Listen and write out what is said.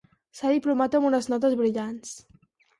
S'ha diplomat amb unes notes brillants.